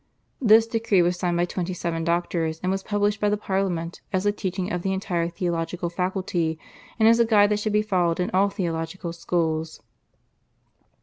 This decree was signed by seventy seven doctors, and was published by the Parliament as the teaching of the entire theological faculty and as a guide that should be followed in all theological schools.